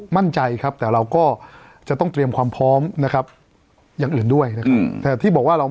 มั่นใจครับแต่เราก็จะต้องเตรียมความพร้อมนะครับอย่างอื่นด้วยนะครับแต่ที่บอกว่าเรา